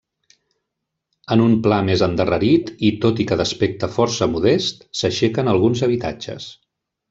En un pla més endarrerit, i tot i que d'aspecte força modest, s'aixequen alguns habitatges.